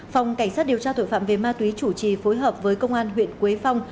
phòng cảnh sát điều tra tội phạm về ma túy chủ trì phối hợp với công an huyện quế phong